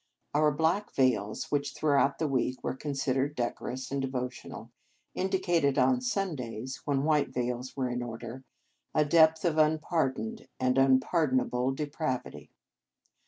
Our black veils, which throughout the week were considered decorous and devotional, indicated on Sundays when white veils were in order a depth of unpardoned and unpardonable depravity.